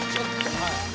はい。